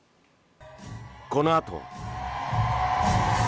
このあとは。